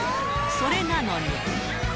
それなのに。